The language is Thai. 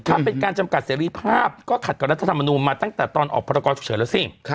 ถ้าเป็นการจำกัดเสรีภาพก็ขัดกับรัฐธรรมนูลมาตั้งแต่ตอนออกพรกรฉุกเฉินแล้วสิ